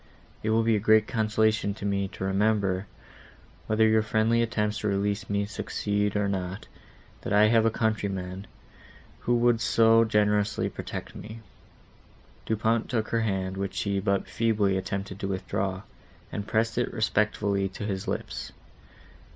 It will be a great consolation to me to remember, whether your friendly attempts to release me succeed or not, that I have a countryman, who would so generously protect me."—Monsieur Du Pont took her hand, which she but feebly attempted to withdraw, and pressed it respectfully to his lips.